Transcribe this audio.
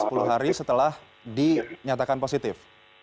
delapan sampai sepuluh hari setelah dinyatakan positif